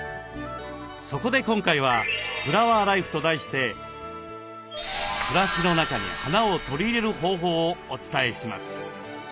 そこで今回は「フラワーライフ」と題して暮らしの中に花を取り入れる方法をお伝えします。